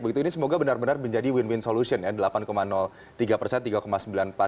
begitu ini semoga benar benar menjadi win win solution ya